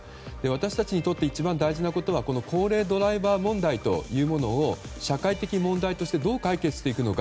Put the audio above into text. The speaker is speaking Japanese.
私たちにとって一番大事なことは高齢ドライバー問題というものを社会的問題としてどう解決していくのか。